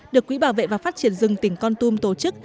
được quỹ bảo vệ và phát triển rừng tình con tôm tổ chức